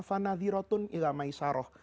fana zirotun ila maisaroh